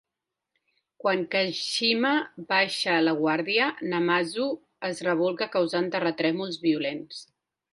Quan Kashima baixa la guàrdia, Namazu es rebolca causant terratrèmols violents.